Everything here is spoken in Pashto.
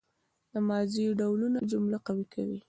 د ماضي ډولونه جمله قوي کوي.